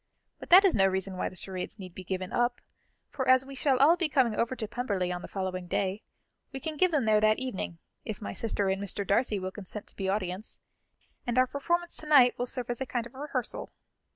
But that is no reason why the charades need be given up, for as we shall all be coming over to Pemberley on the following day, we can give them there that evening, if my sister and Mr. Darcy will consent to be audience, and our performance to night will serve as a kind of rehearsal."